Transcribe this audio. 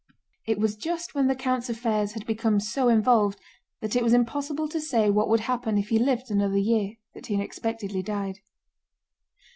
It was just when the count's affairs had become so involved that it was impossible to say what would happen if he lived another year that he unexpectedly died.